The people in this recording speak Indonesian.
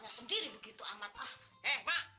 jadi kok kopeknya kotor ya